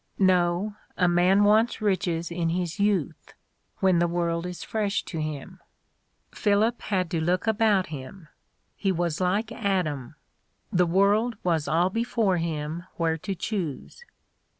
... No, a man wants riches in his youth, when the world is fresh to him. ... Philip had to look about him. He was like Adam: the world was all before him where to choose."